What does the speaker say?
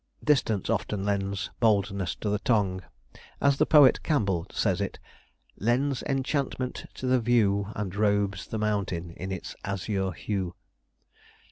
Distance often lends boldness to the tongue, as the poet Campbell says it: Lends enchantment to the view, And robes the mountain in its azure hue.